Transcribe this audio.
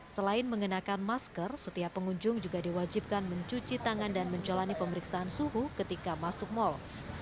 selain mengenakan masker setiap pengunjung juga diwajibkan mencuci tangan dan menjalani pemeriksaan suhu ketika masuk mal